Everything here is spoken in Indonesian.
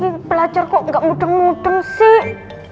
jadi gigi belajar kok gak mudeng mudeng sih